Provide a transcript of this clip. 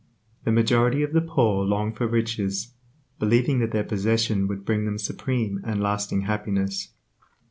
The majority of the poor long for riches, believing that their possession would bring them supreme and lasting happiness.